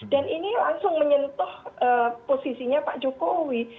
dan ini langsung menyentuh posisinya pak jokowi